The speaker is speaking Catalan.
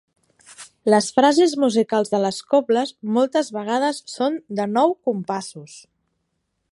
Les frases musicals de les cobles moltes vegades són de nou compassos.